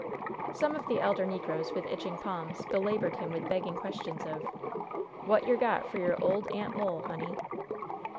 Some of the elder negroes, with "itching palms," belabored him with begging questions of "Wot yer got fur yer ole Aunt Mole, honey?"